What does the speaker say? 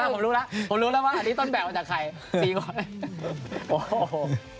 ผมรู้แล้วเนี่ยอันนี้ต้นแบบปุ่มจากใคร